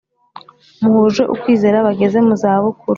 Muhuje ukwizera bageze mu zabukuru